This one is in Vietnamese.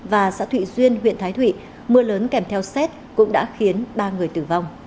và xã thụy duyên huyện thái thụy mưa lớn kèm theo xét cũng đã khiến ba người tử vong